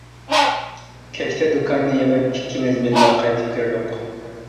كەچتە دۇكاننى يىغىپ ئىككىمىز بىللە قايتىپ كىردۇق.